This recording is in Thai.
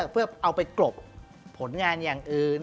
เพื่อเอาไปกรบผลงานอย่างอื่น